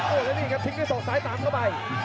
โอ้โหแล้วนี่ครับทิ้งด้วยศอกซ้ายตามเข้าไป